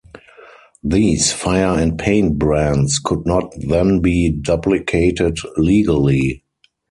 These fire and paint brands could not then be duplicated legally.